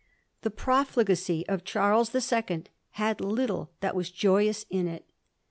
The profligacy of Charles the Second had little that was joyous in it.